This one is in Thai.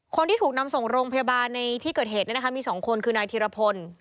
คนที่ถูกนำส่งโรงพยาบาลในที่เกิดเหตุมี๒คนคือนายธิรพล